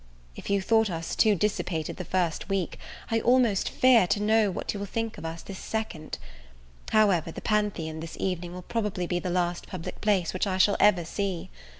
If you thought us too dissipated the first week, I almost fear to know what you will think of us this second; however, the Pantheon this evening will probably be the last public place which I shall ever see.